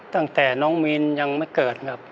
ตั้งแต่น้องมีนยังไม่เกิดครับ